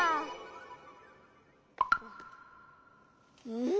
うん？